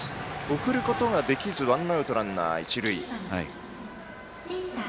送ることができずワンアウトランナー、一塁。